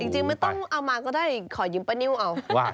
จริงไม่ต้องเอามาก็ได้ขอยืมป้านิ่วเอา